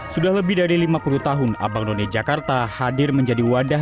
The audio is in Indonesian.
sudah lebih dari lima puluh tahun abang none jakarta hadir menjadi wadah